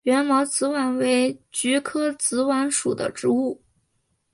缘毛紫菀为菊科紫菀属的植物。